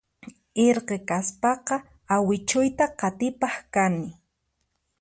Irqi kaspaqa awichuyta qatipaq kani